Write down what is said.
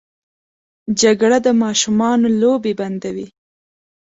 جګړه د ماشومانو لوبې بندوي